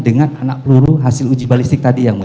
dengan anak peluru hasil uji balistik tadi